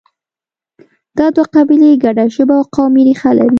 دا دوه قبیلې ګډه ژبه او قومي ریښه لري